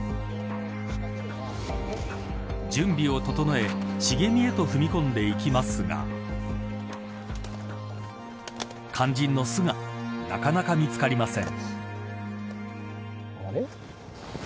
準備を整え、茂みへと踏み込んでいきますが肝心の巣がなかなか見つかりません。